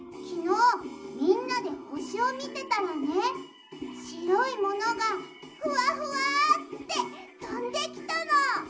きのうみんなでほしをみてたらねしろいものがふわふわってとんできたの。